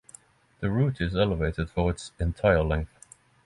The route is elevated for its entire length.